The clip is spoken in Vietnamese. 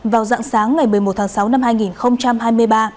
vào dạng sáng ngày một mươi một tháng sáu năm hai nghìn hai mươi ba